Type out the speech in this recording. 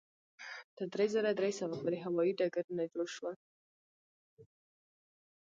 تر درې زره درې سوه پورې هوایي ډګرونه جوړ شول.